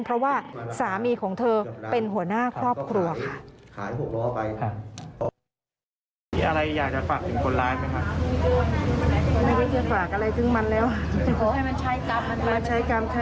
เพราะว่าสามีของเธอเป็นหัวหน้าครอบครัวค่ะ